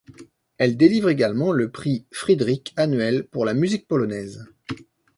Elle délivre également le prix Fryderyk annuel pour la musique polonaise.